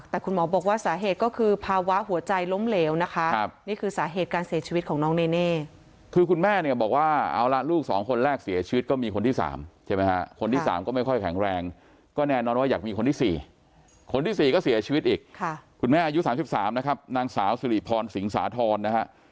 แต่คุณหมอบอกว่าสาเหตุก็คือภาวะหัวใจล้มเหลวนะคะนี่คือสาเหตุการเสียชีวิตของน้องเนเน่คือคุณแม่เนี่ยบอกว่าเอาละลูกสองคนแรกเสียชีวิตก็มีคนที่๓ใช่ไหมฮะคนที่๓ก็ไม่ค่อยแข็งแรงก็แน่นอนว่าอยากมีคนที่๔คนที่๔ก็เสียชีวิตอีกคุณแม่อายุ๓๓นะครับนางสาวสิริพรสิงสาธรณ์นะฮะ